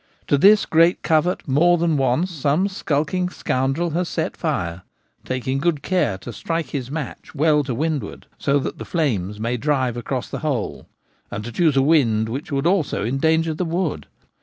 ' To this great covert more than once some skulking scoundrel has set fire, taking good care to strike his match well to windward, so that the flames might drive across the whole, and to chose a wind which would also endanger the wood.